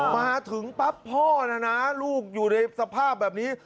มาถึงปั๊บพ่อนะนะลูกอยู่ในสภาพแบบนี้